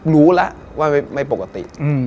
รู้แล้วว่าไม่ปกติ